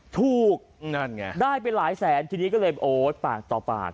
ถูกได้ไปหลายแสนทีนี้ก็เลยปากต่อปาก